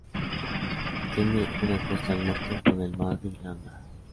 Tiene una costa al norte, con el Mar de Irlanda.